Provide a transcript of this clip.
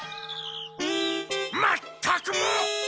まったくもう！